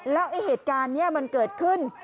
แล้วไอ้เหตุการณ์นี้มันเกิดขึ้น